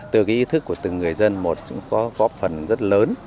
từ cái ý thức của từng người dân một cũng có góp phần rất lớn